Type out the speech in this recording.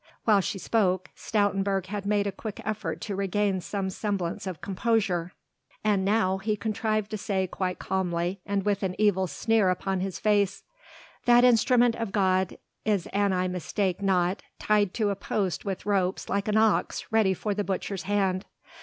While she spoke Stoutenburg had made a quick effort to regain some semblance of composure, and now he contrived to say quite calmly and with an evil sneer upon his face: "That instrument of God is an I mistake not tied to a post with ropes like an ox ready for the butcher's hand.